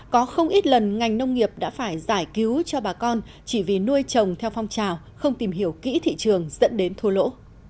có không ít lần ngành nông nghiệp đã phải giải cứu cho bà con chỉ vì nuôi trồng theo phong trào không tìm hiểu kỹ thị trường dẫn đến thua lỗ